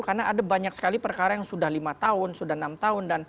karena ada banyak sekali perkara yang sudah lima tahun sudah enam tahun